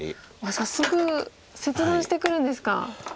早速切断してくるんですか。